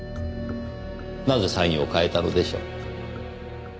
なぜサインを変えたのでしょう？